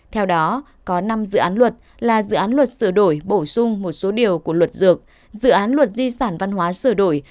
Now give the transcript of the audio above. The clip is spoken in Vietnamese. theo đó có năm dự án luật là dự án luật sửa đổi bổ sung một số điều của luật dược dự án luật di sản văn hóa sửa đổi